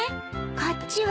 こっちは。